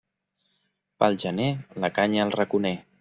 Pel gener, la canya al raconer.